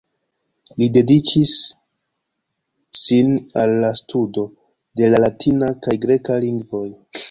Li dediĉis sin al la studo de la latina kaj greka lingvoj.